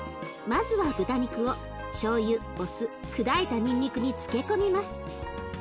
まずは豚肉をしょうゆお酢砕いたにんにくに漬け込みます。